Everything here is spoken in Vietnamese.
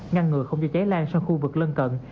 ngăn ngừa không cho cháy lan sang khu vực lân cận